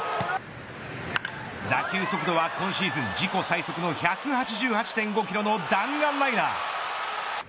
打球速度は今シーズン自己最速の１８８．５キロの弾丸ライナー。